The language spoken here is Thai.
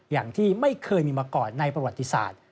อย่างที่ไม่เคยมีมาก่อนในประวัติศาสตร์